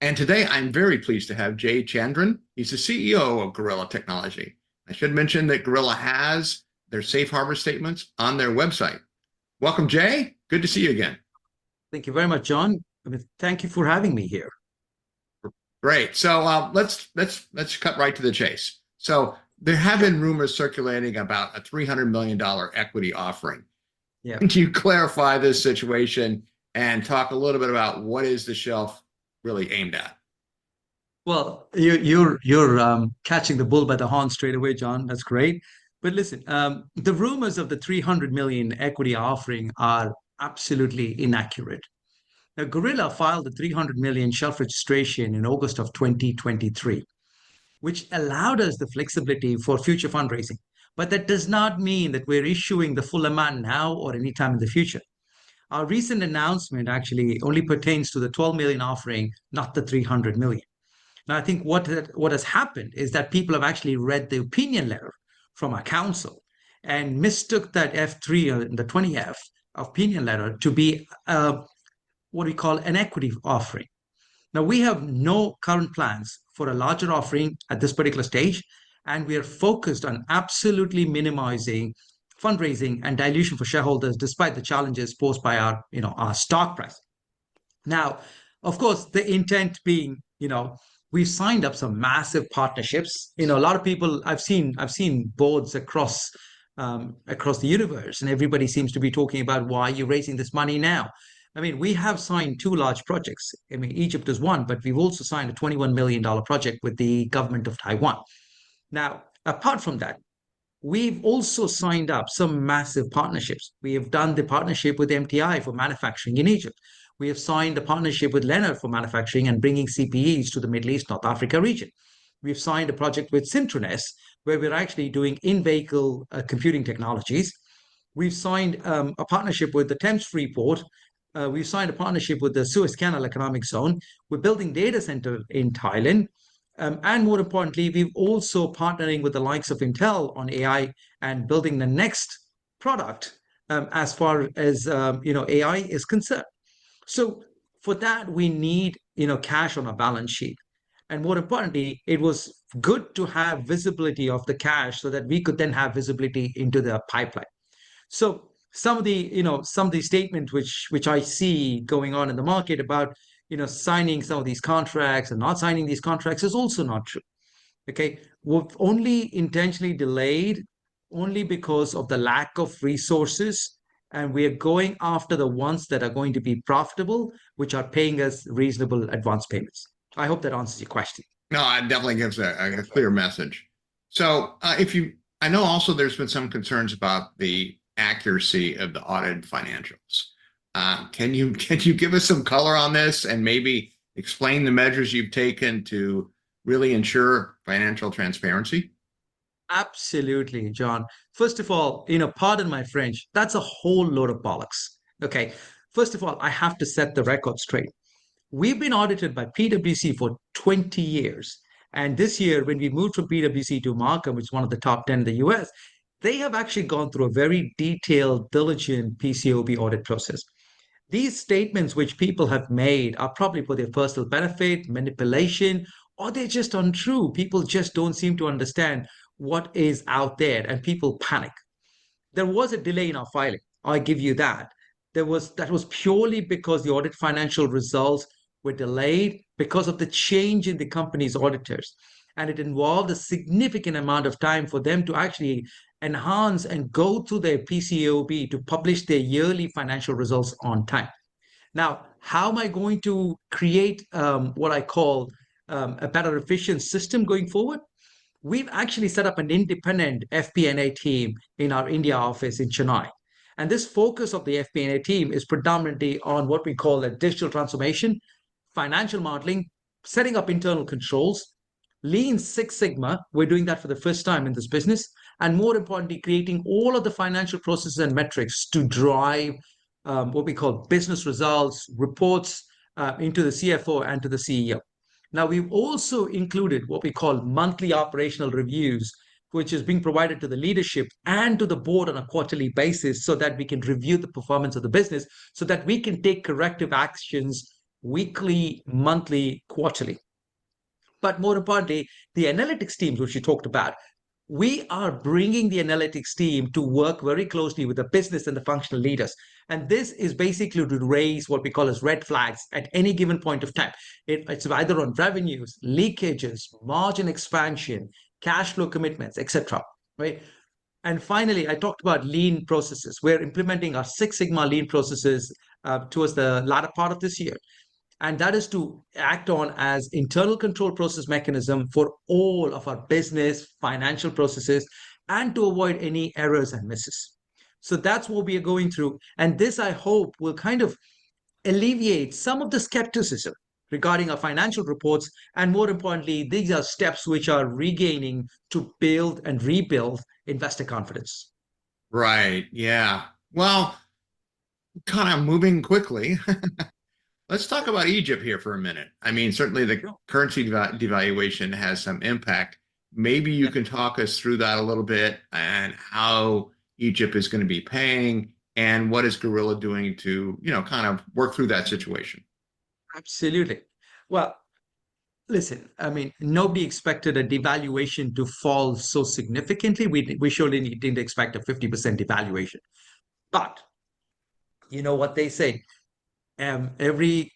Today I'm very pleased to have Jay Chandan. He's the CEO of Gorilla Technology. I should mention that Gorilla has their safe harbor statements on their website. Welcome, Jay. Good to see you again. Thank you very much, John. Thank you for having me here. Great. So let's cut right to the chase. So there have been rumors circulating about a $300 million equity offering. Can you clarify this situation and talk a little bit about what is the shelf really aimed at? Well, you're catching the bull by the horn straight away, John. That's great. But listen, the rumors of the $300 million equity offering are absolutely inaccurate. Now, Gorilla filed a $300 million shelf registration in August of 2023, which allowed us the flexibility for future fundraising. But that does not mean that we're issuing the full amount now or anytime in the future. Our recent announcement actually only pertains to the $12 million offering, not the $300 million. Now, I think what has happened is that people have actually read the opinion letter from our counsel and mistook that F-3 or the 20-F opinion letter to be what we call an equity offering. Now, we have no current plans for a larger offering at this particular stage, and we are focused on absolutely minimizing fundraising and dilution for shareholders despite the challenges posed by our stock price. Now, of course, the intent being, you know, we've signed up some massive partnerships. You know, a lot of people I've seen boards across the universe, and everybody seems to be talking about, why are you raising this money now? I mean, we have signed two large projects. I mean, Egypt is one, but we've also signed a $21 million project with the government of Taiwan. Now, apart from that, we've also signed up some massive partnerships. We have done the partnership with MTI for manufacturing in Egypt. We have signed a partnership with Lenovo for manufacturing and bringing CPEs to the Middle East, North Africa region. We've signed a project with SINTRONES, where we're actually doing in-vehicle computing technologies. We've signed a partnership with the Thames Freeport. We've signed a partnership with the Suez Canal Economic Zone. We're building a data center in Thailand. And more importantly, we're also partnering with the likes of Intel on AI and building the next product as far as AI is concerned. So for that, we need cash on our balance sheet. And more importantly, it was good to have visibility of the cash so that we could then have visibility into the pipeline. So some of the statements which I see going on in the market about signing some of these contracts and not signing these contracts is also not true. Okay, we've only intentionally delayed only because of the lack of resources, and we are going after the ones that are going to be profitable, which are paying us reasonable advance payments. I hope that answers your question. No, I definitely get a clear message. So I know also there's been some concerns about the accuracy of the audit financials. Can you give us some color on this and maybe explain the measures you've taken to really ensure financial transparency? Absolutely, John. First of all, you know, pardon my French, that's a whole load of bollocks. Okay, first of all, I have to set the record straight. We've been audited by PwC for 20 years. And this year, when we moved from PwC to Marcum, which is one of the top 10 in the U.S., they have actually gone through a very detailed, diligent PCAOB audit process. These statements which people have made are probably for their personal benefit, manipulation, or they're just untrue. People just don't seem to understand what is out there, and people panic. There was a delay in our filing. I'll give you that. That was purely because the audit financial results were delayed because of the change in the company's auditors. It involved a significant amount of time for them to actually enhance and go through their PCAOB to publish their yearly financial results on time. Now, how am I going to create what I call a better efficient system going forward? We've actually set up an independent FP&A team in our India office in Chennai. This focus of the FP&A team is predominantly on what we call a digital transformation, financial modeling, setting up internal controls, Lean Six Sigma. We're doing that for the first time in this business. More importantly, creating all of the financial processes and metrics to drive what we call business results reports into the CFO and to the CEO. Now, we've also included what we call monthly operational reviews, which is being provided to the leadership and to the board on a quarterly basis so that we can review the performance of the business so that we can take corrective actions weekly, monthly, quarterly. But more importantly, the analytics teams, which you talked about, we are bringing the analytics team to work very closely with the business and the functional leaders. This is basically to raise what we call as red flags at any given point of time. It's either on revenues, leakages, margin expansion, cash flow commitments, et cetera. Finally, I talked about lean processes. We're implementing our Six Sigma lean processes towards the latter part of this year. That is to act on as an internal control process mechanism for all of our business financial processes and to avoid any errors and misses. That's what we are going through. This, I hope, will kind of alleviate some of the skepticism regarding our financial reports. More importantly, these are steps which are designed to build and rebuild investor confidence. Right. Yeah. Well, kind of moving quickly, let's talk about Egypt here for a minute. I mean, certainly the currency devaluation has some impact. Maybe you can talk us through that a little bit and how Egypt is going to be paying and what is Gorilla doing to kind of work through that situation? Absolutely. Well, listen, I mean, nobody expected a devaluation to fall so significantly. We surely didn't expect a 50% devaluation. But you know what they say, every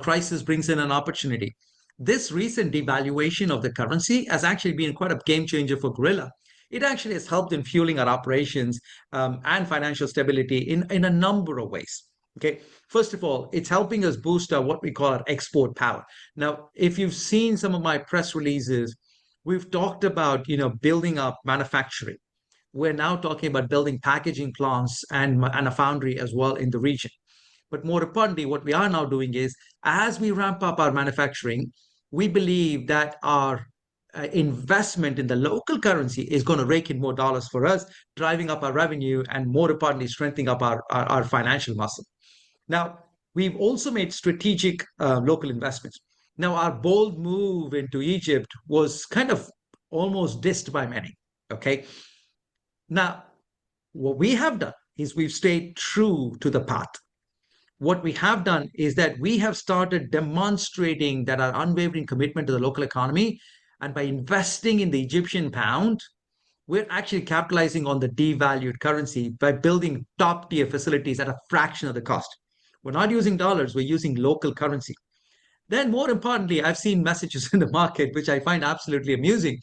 crisis brings in an opportunity. This recent devaluation of the currency has actually been quite a game changer for Gorilla. It actually has helped in fueling our operations and financial stability in a number of ways. Okay, first of all, it's helping us boost what we call our export power. Now, if you've seen some of my press releases, we've talked about building up manufacturing. We're now talking about building packaging plants and a foundry as well in the region. But more importantly, what we are now doing is, as we ramp up our manufacturing, we believe that our investment in the local currency is going to rake in more dollars for us, driving up our revenue and more importantly, strengthening up our financial muscle. Now, we've also made strategic local investments. Now, our bold move into Egypt was kind of almost dissed by many. Okay, now what we have done is we've stayed true to the path. What we have done is that we have started demonstrating that our unwavering commitment to the local economy and by investing in the Egyptian pound, we're actually capitalizing on the devalued currency by building top-tier facilities at a fraction of the cost. We're not using dollars. We're using local currency. Then, more importantly, I've seen messages in the market, which I find absolutely amusing,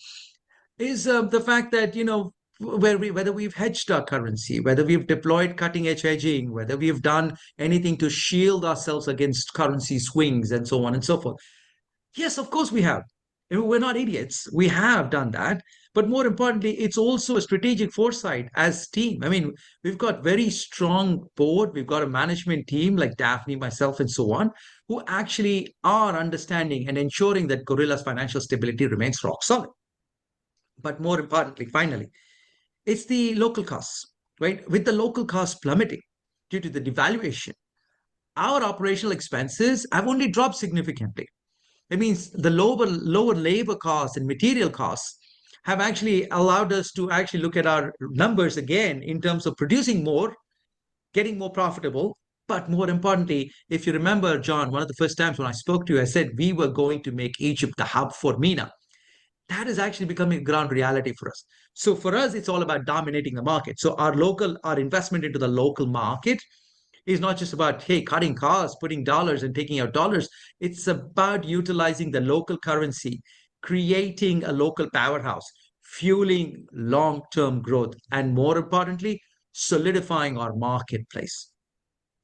is the fact that, you know, whether we've hedged our currency, whether we've deployed cutting-edge hedging, whether we've done anything to shield ourselves against currency swings and so on and so forth. Yes, of course we have. We're not idiots. We have done that. But more importantly, it's also a strategic foresight as team. I mean, we've got a very strong board. We've got a management team like Daphne, myself, and so on, who actually are understanding and ensuring that Gorilla's financial stability remains rock solid. But more importantly, finally, it's the local costs. With the local costs plummeting due to the devaluation, our operational expenses have only dropped significantly. That means the lower labor costs and material costs have actually allowed us to actually look at our numbers again in terms of producing more, getting more profitable. But more importantly, if you remember, John, one of the first times when I spoke to you, I said we were going to make Egypt the hub for MENA. That is actually becoming a ground reality for us. So for us, it's all about dominating the market. So our investment into the local market is not just about, hey, cutting costs, putting dollars and taking out dollars. It's about utilizing the local currency, creating a local powerhouse, fueling long-term growth, and more importantly, solidifying our marketplace.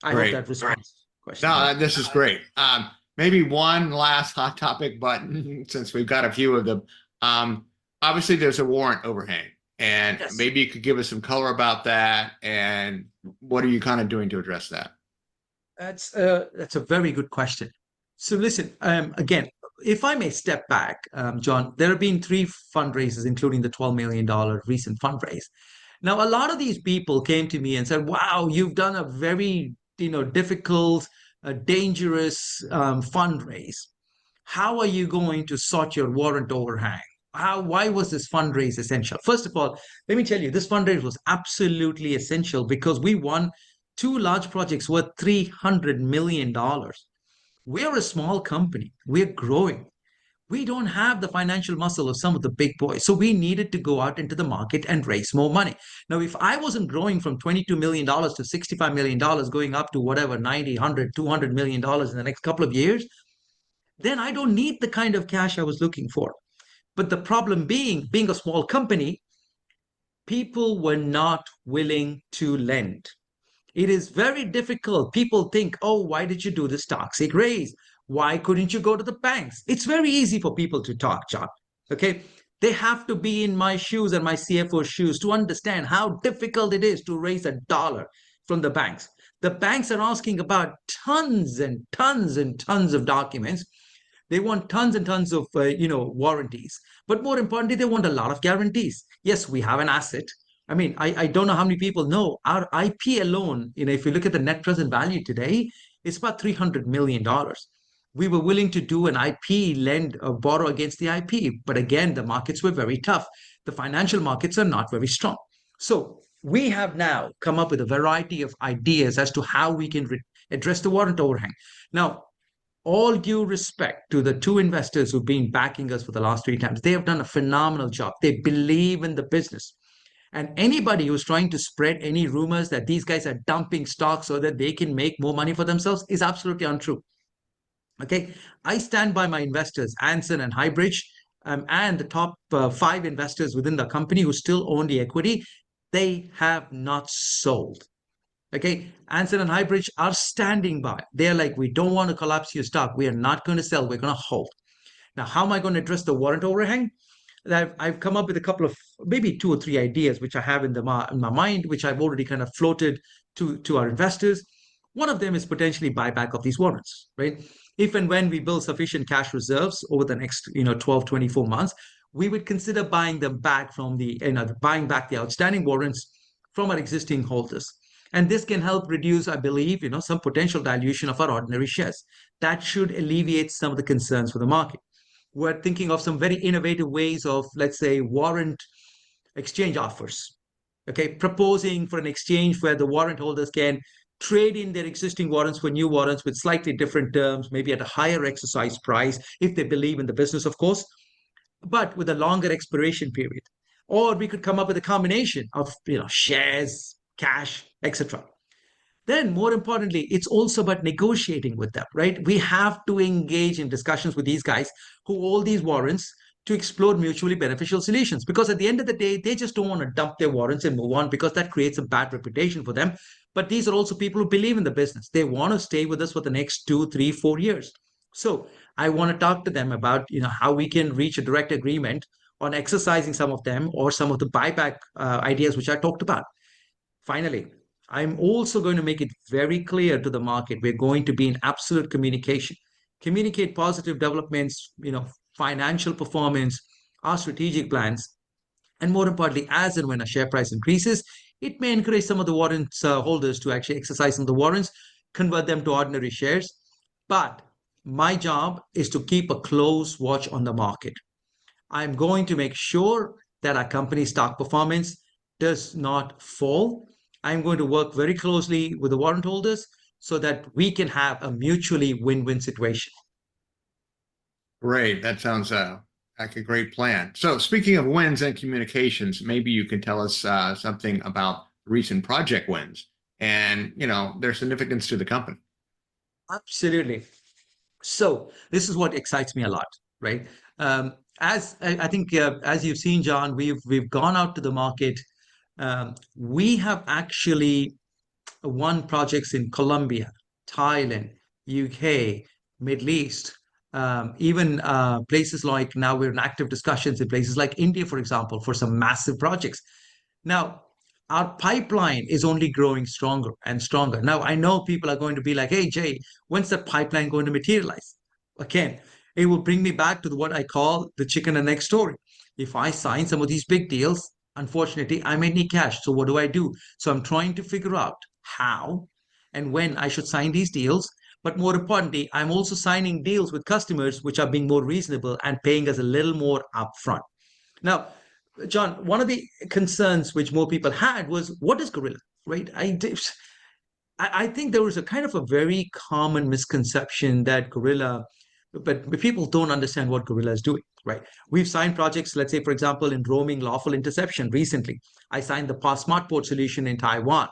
I hope that responds to your question. No, this is great. Maybe one last hot topic, but since we've got a few of them, obviously there's a warrant overhang. And maybe you could give us some color about that. And what are you kind of doing to address that? That's a very good question. So listen, again, if I may step back, John, there have been three fundraisers, including the $12 million recent fundraise. Now, a lot of these people came to me and said, wow, you've done a very difficult, dangerous fundraise. How are you going to sort your warrant overhang? Why was this fundraise essential? First of all, let me tell you, this fundraise was absolutely essential because we won two large projects worth $300 million. We are a small company. We are growing. We don't have the financial muscle of some of the big boys. So we needed to go out into the market and raise more money. Now, if I wasn't growing from $22 million to $65 million, going up to whatever, $90, $100, $200 million in the next couple of years, then I don't need the kind of cash I was looking for. But the problem being a small company, people were not willing to lend. It is very difficult. People think, oh, why did you do this toxic raise? Why couldn't you go to the banks? It's very easy for people to talk, John. Okay, they have to be in my shoes and my CFO's shoes to understand how difficult it is to raise a dollar from the banks. The banks are asking about tons and tons and tons of documents. They want tons and tons of warranties. But more importantly, they want a lot of guarantees. Yes, we have an asset. I mean, I don't know how many people know our IP alone, if you look at the net present value today, it's about $300 million. We were willing to do an IP lend a borrow against the IP. But again, the markets were very tough. The financial markets are not very strong. So we have now come up with a variety of ideas as to how we can address the warrant overhang. Now, all due respect to the two investors who've been backing us for the last three times, they have done a phenomenal job. They believe in the business. Anybody who's trying to spread any rumors that these guys are dumping stocks so that they can make more money for themselves is absolutely untrue. Okay, I stand by my investors, Anson and Highbridge, and the top five investors within the company who still own the equity. They have not sold. Okay, Anson and Highbridge are standing by. They're like, we don't want to collapse your stock. We are not going to sell. We're going to hold. Now, how am I going to address the warrant overhang? I've come up with a couple of maybe two or three ideas which I have in my mind, which I've already kind of floated to our investors. One of them is potentially buyback of these warrants. If and when we build sufficient cash reserves over the next 12, 24 months, we would consider buying them back from the buying back the outstanding warrants from our existing holders. And this can help reduce, I believe, some potential dilution of our ordinary shares. That should alleviate some of the concerns for the market. We're thinking of some very innovative ways of, let's say, warrant exchange offers. Okay, proposing for an exchange where the warrant holders can trade in their existing warrants for new warrants with slightly different terms, maybe at a higher exercise price if they believe in the business, of course, but with a longer expiration period. Or we could come up with a combination of shares, cash, et cetera. Then, more importantly, it's also about negotiating with them. We have to engage in discussions with these guys who hold these warrants to explore mutually beneficial solutions. Because at the end of the day, they just don't want to dump their warrants and move on because that creates a bad reputation for them. But these are also people who believe in the business. They want to stay with us for the next two, three, four years. So I want to talk to them about how we can reach a direct agreement on exercising some of them or some of the buyback ideas which I talked about. Finally, I'm also going to make it very clear to the market we're going to be in absolute communication. Communicate positive developments, financial performance, our strategic plans. More importantly, as and when a share price increases, it may encourage some of the warrant holders to actually exercise some of the warrants, convert them to ordinary shares. My job is to keep a close watch on the market. I'm going to make sure that our company's stock performance does not fall. I'm going to work very closely with the warrant holders so that we can have a mutually win-win situation. Great. That sounds like a great plan. So speaking of wins and communications, maybe you can tell us something about recent project wins and their significance to the company. Absolutely. So this is what excites me a lot. As I think, as you've seen, John, we've gone out to the market. We have actually won projects in Colombia, Thailand, U.K., Middle East, even places like now we're in active discussions in places like India, for example, for some massive projects. Now, our pipeline is only growing stronger and stronger. Now, I know people are going to be like, hey, Jay, when's the pipeline going to materialize? Again, it will bring me back to what I call the chicken and egg story. If I sign some of these big deals, unfortunately, I may need cash. So what do I do? So I'm trying to figure out how and when I should sign these deals. But more importantly, I'm also signing deals with customers which are being more reasonable and paying us a little more upfront. Now, John, one of the concerns which more people had was, what is Gorilla? I think there was a kind of a very common misconception that Gorilla, but people don't understand what Gorilla is doing. We've signed projects, let's say, for example, in roaming lawful interception recently. I signed the PASS Smart Port Solution in Taiwan.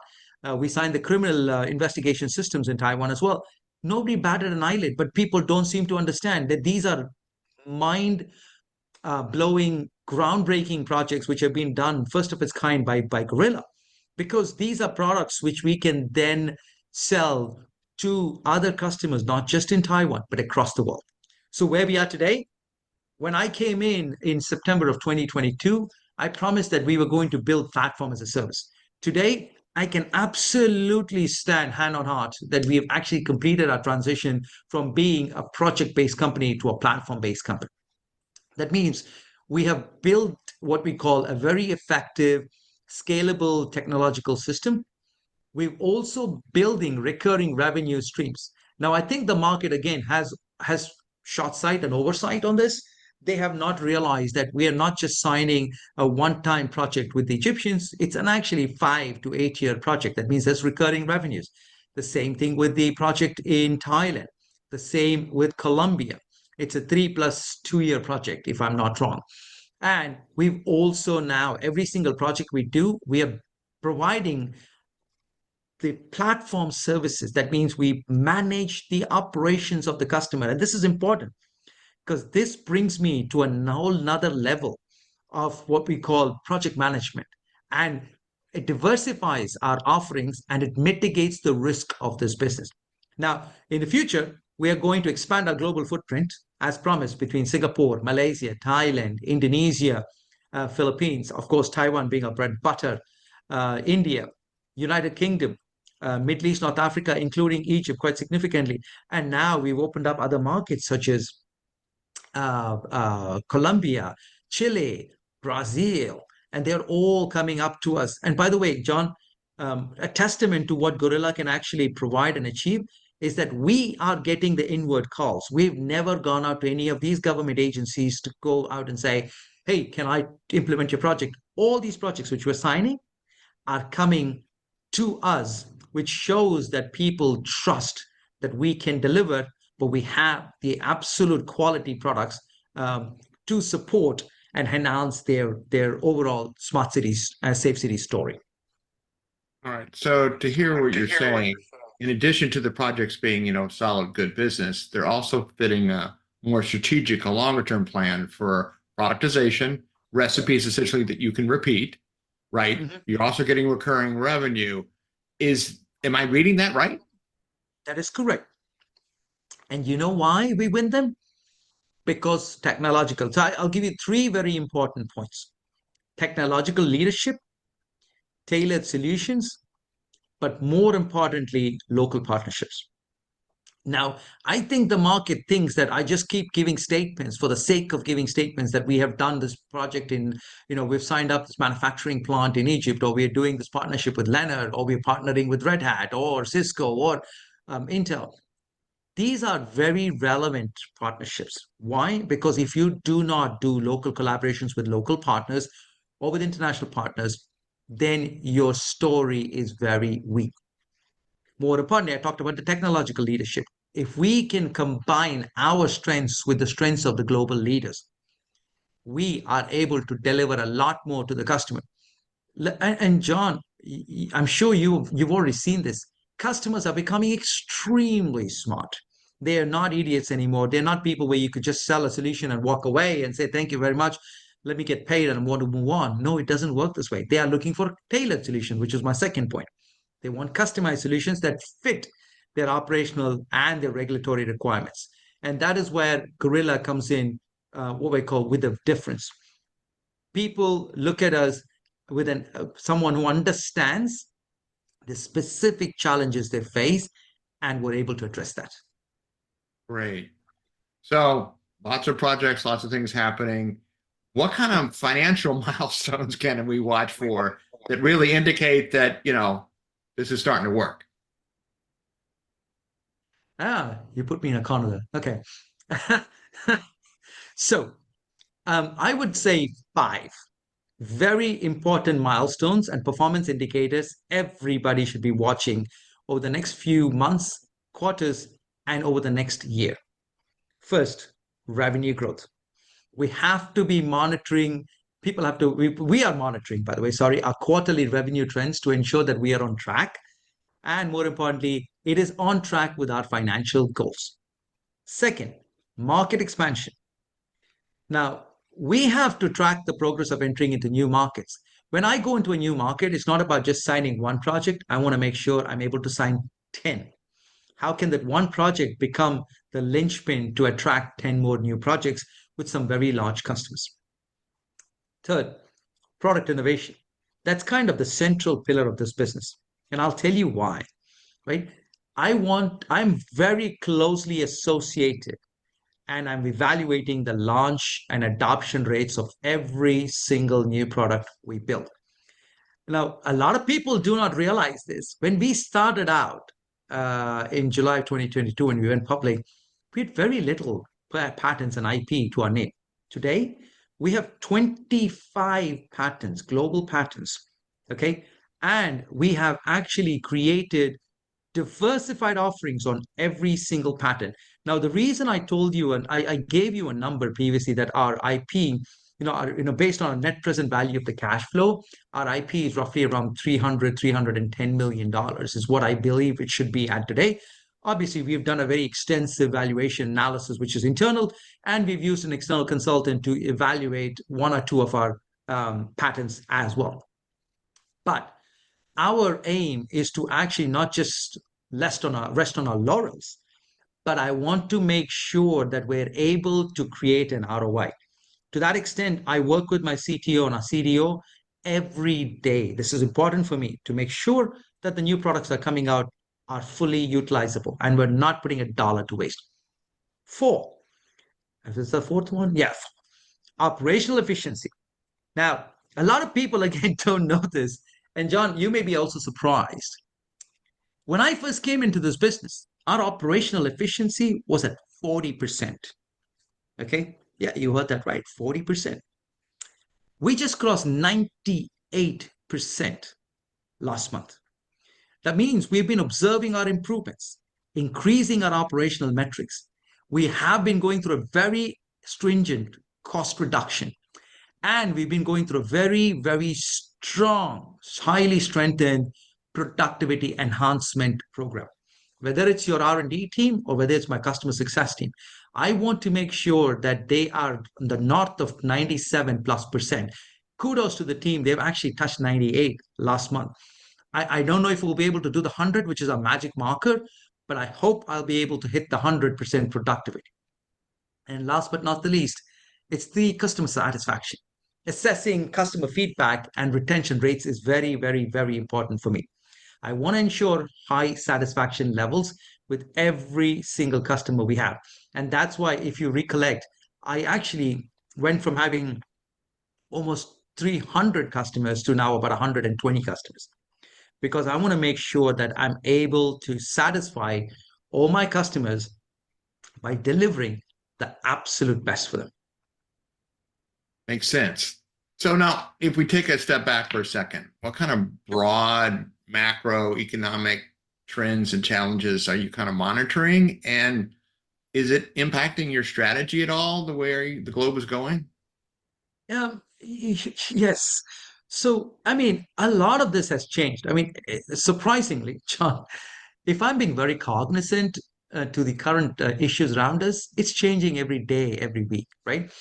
We signed the criminal investigation systems in Taiwan as well. Nobody batted an eyelid, but people don't seem to understand that these are mind-blowing, groundbreaking projects which have been done first of its kind by Gorilla. Because these are products which we can then sell to other customers, not just in Taiwan, but across the world. So where we are today, when I came in in September of 2022, I promised that we were going to build platform as a service. Today, I can absolutely stand hand on heart that we have actually completed our transition from being a project-based company to a platform-based company. That means we have built what we call a very effective, scalable technological system. We're also building recurring revenue streams. Now, I think the market, again, has shortsight and oversight on this. They have not realized that we are not just signing a one-time project with the Egyptians. It's an actually five-eight-year project. That means there's recurring revenues. The same thing with the project in Thailand, the same with Colombia. It's a 3 + 2-year project, if I'm not wrong. And we've also now, every single project we do, we are providing the platform services. That means we manage the operations of the customer. And this is important because this brings me to another level of what we call project management. It diversifies our offerings and it mitigates the risk of this business. Now, in the future, we are going to expand our global footprint, as promised, between Singapore, Malaysia, Thailand, Indonesia, Philippines, of course, Taiwan being our bread and butter, India, United Kingdom, Middle East, North Africa, including Egypt quite significantly. And now we've opened up other markets such as Colombia, Chile, Brazil, and they're all coming up to us. And by the way, John, a testament to what Gorilla can actually provide and achieve is that we are getting the inward calls. We've never gone out to any of these government agencies to go out and say, hey, can I implement your project? All these projects which we're signing are coming to us, which shows that people trust that we can deliver, but we have the absolute quality products to support and enhance their overall smart cities, safe cities story. All right. So to hear what you're saying, in addition to the projects being solid good business, they're also fitting a more strategic, a longer-term plan for productization, recipes essentially that you can repeat, right? You're also getting recurring revenue. Am I reading that right? That is correct. And you know why we win them? Because technological. So I'll give you three very important points. Technological leadership, tailored solutions, but more importantly, local partnerships. Now, I think the market thinks that I just keep giving statements for the sake of giving statements that we have done this project in, we've signed up this manufacturing plant in Egypt, or we're doing this partnership with Lenovo, or we're partnering with Red Hat or Cisco or Intel. These are very relevant partnerships. Why? Because if you do not do local collaborations with local partners or with international partners, then your story is very weak. More importantly, I talked about the technological leadership. If we can combine our strengths with the strengths of the global leaders, we are able to deliver a lot more to the customer. And John, I'm sure you've already seen this. Customers are becoming extremely smart. They are not idiots anymore. They're not people where you could just sell a solution and walk away and say, thank you very much. Let me get paid and I want to move on. No, it doesn't work this way. They are looking for tailored solutions, which is my second point. They want customized solutions that fit their operational and their regulatory requirements. That is where Gorilla comes in, what we call with a difference. People look at us with someone who understands the specific challenges they face and we're able to address that. Great. So lots of projects, lots of things happening. What kind of financial milestones can we watch for that really indicate that this is starting to work? You put me in a corner. Okay. So I would say five, very important milestones and performance indicators everybody should be watching over the next few months, quarters, and over the next year. First, revenue growth. We have to be monitoring. People have to, we are monitoring, by the way, sorry, our quarterly revenue trends to ensure that we are on track. And more importantly, it is on track with our financial goals. Second, market expansion. Now, we have to track the progress of entering into new markets. When I go into a new market, it's not about just signing one project. I want to make sure I'm able to sign 10. How can that one project become the linchpin to attract 10 more new projects with some very large customers? Third, product innovation. That's kind of the central pillar of this business. And I'll tell you why. I'm very closely associated and I'm evaluating the launch and adoption rates of every single new product we build. Now, a lot of people do not realize this. When we started out in July of 2022 and we went public, we had very little patents and IP to our name. Today, we have 25 patents, global patents. Okay. And we have actually created diversified offerings on every single patent. Now, the reason I told you, and I gave you a number previously that our IP, based on our net present value of the cash flow, our IP is roughly around $300 million-$310 million is what I believe it should be at today. Obviously, we've done a very extensive valuation analysis, which is internal, and we've used an external consultant to evaluate one or two of our patents as well. But our aim is to actually not just rest on our laurels, but I want to make sure that we're able to create an ROI. To that extent, I work with my CTO and our CDO every day. This is important for me to make sure that the new products that are coming out are fully utilizable and we're not putting a dollar to waste. four, this is the fourth one. Yes. Operational efficiency. Now, a lot of people, again, don't know this. And John, you may be also surprised. When I first came into this business, our operational efficiency was at 40%. Okay. Yeah, you heard that right. 40%. We just crossed 98% last month. That means we've been observing our improvements, increasing our operational metrics. We have been going through a very stringent cost reduction, and we've been going through a very, very strong, highly strengthened productivity enhancement program. Whether it's your R&D team or whether it's my customer success team, I want to make sure that they are in the north of 97%+. Kudos to the team. They've actually touched 98% last month. I don't know if we'll be able to do the 100%, which is a magic marker, but I hope I'll be able to hit the 100% productivity. And last but not the least, it's the customer satisfaction. Assessing customer feedback and retention rates is very, very, very important for me. I want to ensure high satisfaction levels with every single customer we have. And that's why if you recollect, I actually went from having almost 300 customers to now about 120 customers. Because I want to make sure that I'm able to satisfy all my customers by delivering the absolute best for them. Makes sense. So now, if we take a step back for a second, what kind of broad macroeconomic trends and challenges are you kind of monitoring? And is it impacting your strategy at all the way the globe is going? Yes. So I mean, a lot of this has changed. I mean, surprisingly, John, if I'm being very cognizant to the current issues around us, it's changing every day, every week. Right.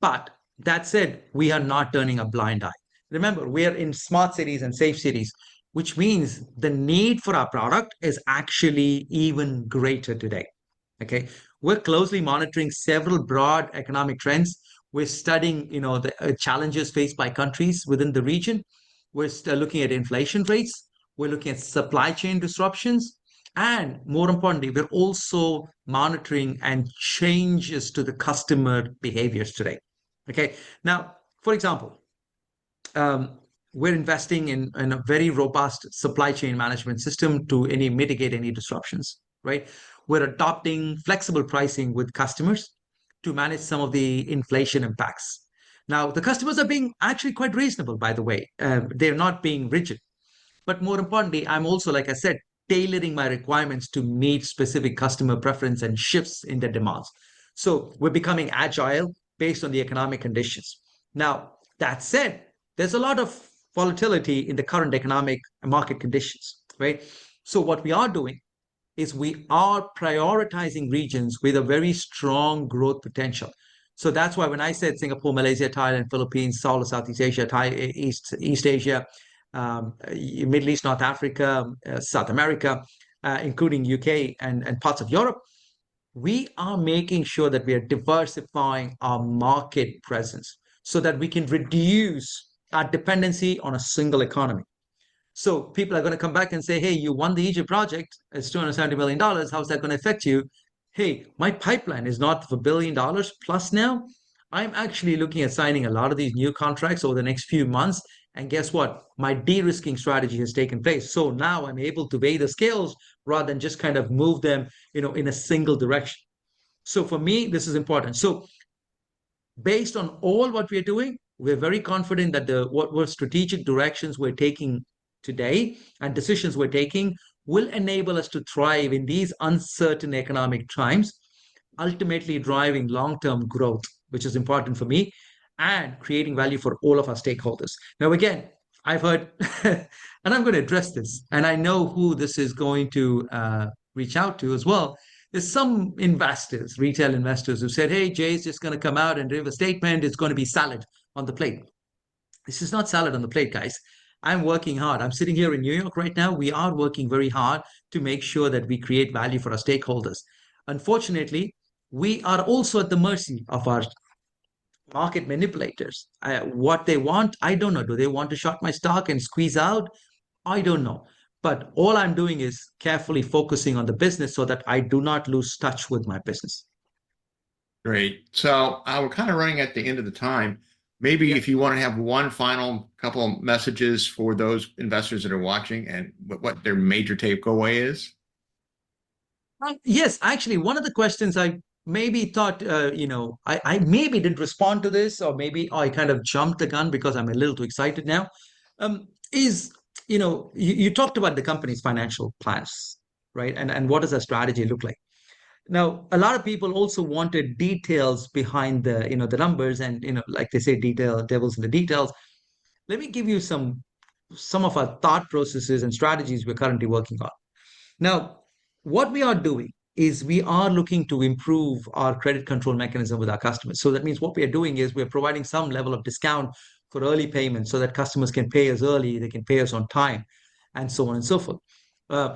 But that said, we are not turning a blind eye. Remember, we are in smart cities and safe cities, which means the need for our product is actually even greater today. Okay. We're closely monitoring several broad economic trends. We're studying the challenges faced by countries within the region. We're looking at inflation rates. We're looking at supply chain disruptions. And more importantly, we're also monitoring changes to the customer behaviors today. Okay. Now, for example, we're investing in a very robust supply chain management system to mitigate any disruptions. Right. We're adopting flexible pricing with customers to manage some of the inflation impacts. Now, the customers are being actually quite reasonable, by the way. They're not being rigid. But more importantly, I'm also, like I said, tailoring my requirements to meet specific customer preference and shifts in their demands. So we're becoming agile based on the economic conditions. Now, that said, there's a lot of volatility in the current economic market conditions. Right. So what we are doing is we are prioritizing regions with a very strong growth potential. So that's why when I said Singapore, Malaysia, Thailand, Philippines, Saudi, Southeast Asia, East Asia, Middle East, North Africa, South America, including the U.K. and parts of Europe, we are making sure that we are diversifying our market presence so that we can reduce our dependency on a single economy. So people are going to come back and say, hey, you won the Egypt project. It's $270 million. How's that going to affect you? Hey, my pipeline is not for $1 billion plus now. I'm actually looking at signing a lot of these new contracts over the next few months. Guess what? My de-risking strategy has taken place. So now I'm able to weigh the scales rather than just kind of move them in a single direction. So for me, this is important. So based on all what we are doing, we're very confident that what strategic directions we're taking today and decisions we're taking will enable us to thrive in these uncertain economic times, ultimately driving long-term growth, which is important for me and creating value for all of our stakeholders. Now, again, I've heard, and I'm going to address this, and I know who this is going to reach out to as well. There's some investors, retail investors who said, hey, Jay's just going to come out and deliver a statement. It's going to be salad on the plate. This is not salad on the plate, guys. I'm working hard. I'm sitting here in New York right now. We are working very hard to make sure that we create value for our stakeholders. Unfortunately, we are also at the mercy of our market manipulators. What they want, I don't know. Do they want to shock my stock and squeeze out? I don't know. But all I'm doing is carefully focusing on the business so that I do not lose touch with my business. Great. We're kind of running at the end of the time. Maybe if you want to have one final couple of messages for those investors that are watching and what their major takeaway is. Yes, actually, one of the questions I maybe thought, you know, I maybe didn't respond to this or maybe I kind of jumped the gun because I'm a little too excited now, is you talked about the company's financial plans, right? And what does that strategy look like? Now, a lot of people also wanted details behind the numbers and, like they say, detailed devils in the details. Let me give you some of our thought processes and strategies we're currently working on. Now, what we are doing is we are looking to improve our credit control mechanism with our customers. So that means what we are doing is we're providing some level of discount for early payments so that customers can pay us early, they can pay us on time, and so on and so forth.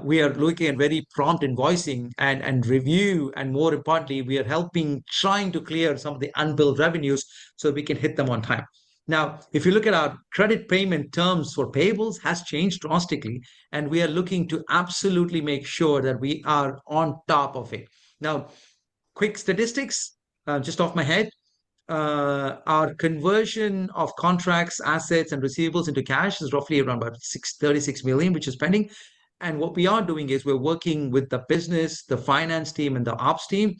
We are looking at very prompt invoicing and review, and more importantly, we are helping trying to clear some of the unbilled revenues so we can hit them on time. Now, if you look at our credit payment terms for payables has changed drastically, and we are looking to absolutely make sure that we are on top of it. Now, quick statistics, just off my head, our conversion of contracts, assets, and receivables into cash is roughly around about $36 million, which is pending. And what we are doing is we're working with the business, the finance team, and the ops team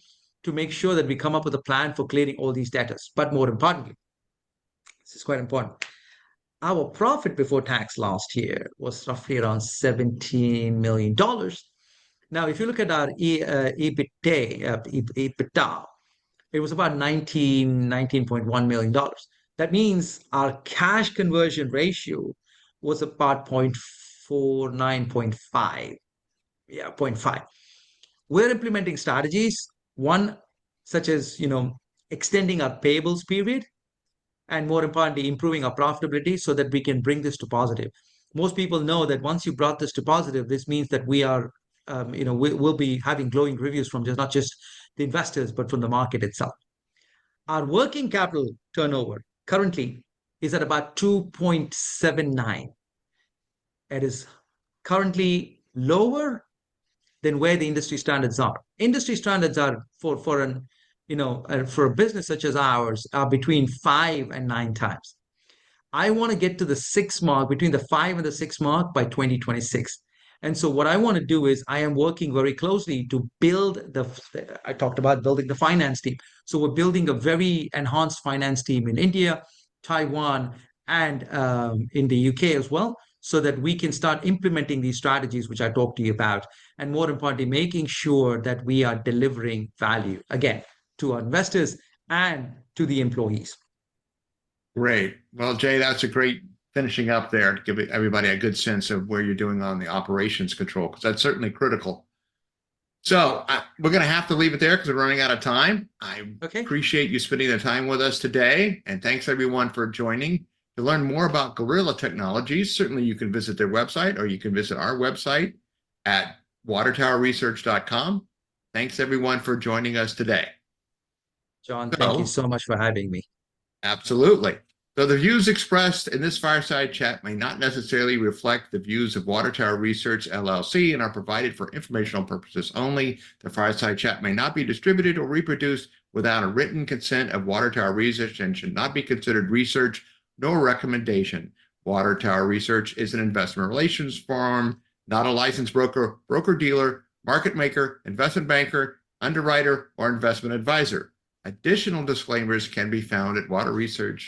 to make sure that we come up with a plan for clearing all these debtors. But more importantly, this is quite important. Our profit before tax last year was roughly around $17 million. Now, if you look at our EBITDA, it was about $19.1 million. That means our cash conversion ratio was about 0.49, 0.5. Yeah, 0.5. We're implementing strategies, one such as extending our payables period and more importantly, improving our profitability so that we can bring this to positive. Most people know that once you brought this to positive, this means that we will be having glowing reviews from not just the investors, but from the market itself. Our working capital turnover currently is at about 2.79. It is currently lower than where the industry standards are. Industry standards are for a business such as ours are between 5x and 9x. I want to get to the 6 mark, between the five and the six mark by 2026. So what I want to do is I am working very closely to build the, I talked about building the finance team. So we're building a very enhanced finance team in India, Taiwan, and in the U.K. as well so that we can start implementing these strategies, which I talked to you about, and more importantly, making sure that we are delivering value again to our investors and to the employees. Great. Well, Jay, that's a great finishing up there. Give everybody a good sense of where you're doing on the operations control, because that's certainly critical. So we're going to have to leave it there because we're running out of time. I appreciate you spending the time with us today. Thanks everyone for joining. To learn more about Gorilla Technologies, certainly you can visit their website or you can visit our website at watertowerresearch.com. Thanks everyone for joining us today. John, thank you so much for having me. Absolutely. So the views expressed in this Fireside Chat may not necessarily reflect the views of Water Tower Research LLC and are provided for informational purposes only. The Fireside Chat may not be distributed or reproduced without a written consent of Water Tower Research and should not be considered research nor a recommendation. Water Tower Research is an investment relations firm, not a licensed broker, broker-dealer, market maker, investment banker, underwriter, or investment advisor. Additional disclaimers can be found at Watertower.